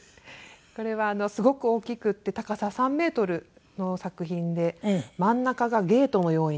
これはすごく大きくって高さ３メートルの作品で真ん中がゲートのようになっていて。